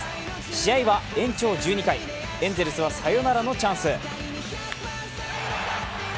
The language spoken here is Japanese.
試合は延長１２回エンゼルスはサヨナラのチャンス。